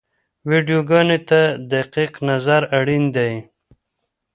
ویډیوګانو ته دقیق نظر اړین دی.